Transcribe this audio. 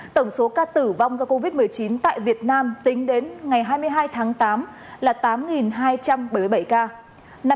tổng số ca tử vong do covid một mươi chín tại việt nam tính đến ngày hai mươi hai tháng tám là tám hai trăm bảy mươi bảy ca